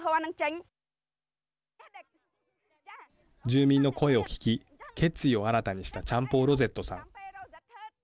住民の声を聞き決意を新たにしたチャンポーロゼットさん。